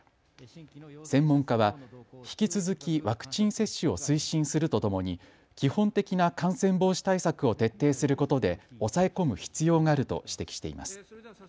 専門家は引き続きワクチン接種を推進するとともに基本的な感染防止対策を徹底することで抑え込む必要があると指摘しています。